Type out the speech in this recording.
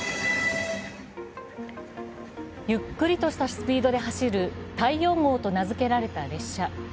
ゆっくりとしたスピードで走る「太陽号」と名付けられた列車。